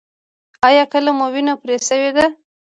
ایا کله مو وینه پرې شوې ده؟